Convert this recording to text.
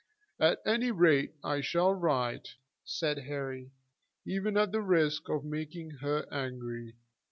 "At any rate, I shall write," said Harry, "even at the risk of making her angry."